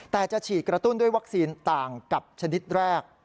แต่จะฉีดกระตุ้นด้วยวัคซีนต่างกับชนิดแรก